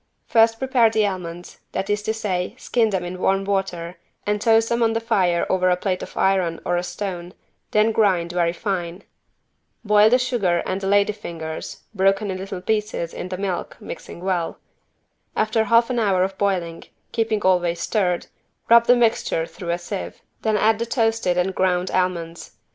First prepare the almonds, that is to say skin them in warm water and toast them on the fire over a plate of iron or a stone, then grind very fine. Boil the sugar and the lady fingers, broken in little pieces in the milk, mixing well. After half an hour of boiling, keeping always stirred, rub the mixture through a sieve. Then add the toasted and ground almonds.